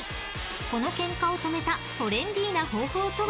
このケンカを止めたトレンディーな方法とは？